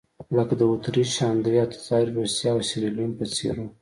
لکه د اتریش-هنګري او تزاري روسیې او سیریلیون په څېر وو.